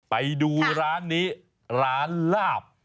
ไปดูร้านนี้ร้านลาบ